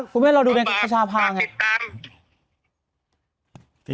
คุณแม่เราดูแม่คุณประชาภาคไง